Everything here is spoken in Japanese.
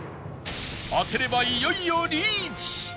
当てればいよいよリーチ！